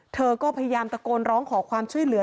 เธอก็พยายามตะโกนร้องขอความช่วยเหลือ